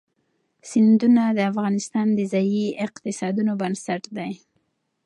سیندونه د افغانستان د ځایي اقتصادونو بنسټ دی.